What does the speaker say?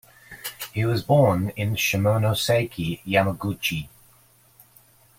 He was born in Shimonoseki, Yamaguchi.